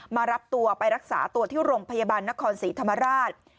มารับตัวไปรักษาตัวที่โรงพยาบาลนครศรีธรรมราช